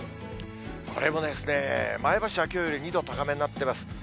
これも、前橋はきょうより２度高めになっています。